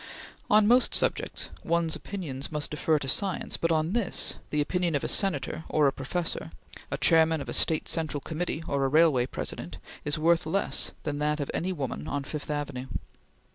On most subjects, one's opinions must defer to science, but on this, the opinion of a Senator or a Professor, a chairman of a State Central Committee or a Railway President, is worth less than that of any woman on Fifth Avenue.